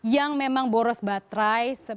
yang memang boros baterai